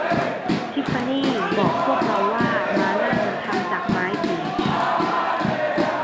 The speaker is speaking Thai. ทิฟฟานี่บอกพวกเราว่าม้านั่งทำจากไม้บีช